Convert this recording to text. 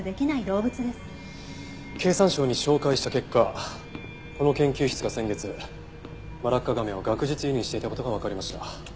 経産省に照会した結果この研究室が先月マラッカガメを学術輸入していた事がわかりました。